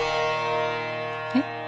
えっ？